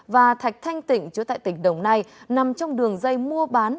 và thạch thanh tỉnh chú tại tỉnh đồng nai nằm trong đường dây mua bán